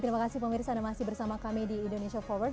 terima kasih pemirsa anda masih bersama kami di indonesia forward